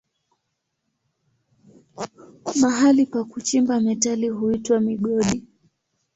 Mahali pa kuchimba metali huitwa migodi.